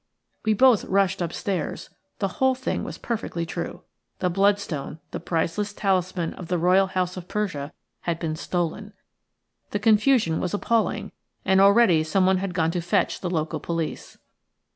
We both rushed upstairs. The whole thing was perfectly true. The bloodstone, the priceless talisman of the Royal House of Persia, had been stolen. The confusion was appalling, and already someone had gone to fetch the local police.